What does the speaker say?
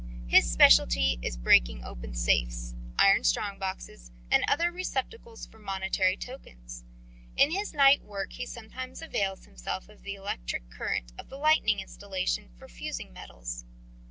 His specialty is breaking open safes, iron strong boxes, and other receptacles for monetary tokens. In his night work he sometimes avails himself of the electric current of the lighting installation for fusing metals.